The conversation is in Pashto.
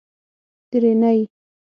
درېنۍ